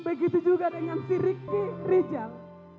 begitu juga dengan si ricky rizal